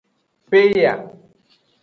Peya.